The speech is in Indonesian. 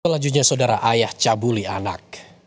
selanjutnya saudara ayah cabuli anak